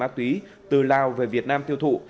từ lào về việt nam tiêu thụ